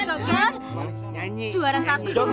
jangan nyanyi kamu juga sangat joget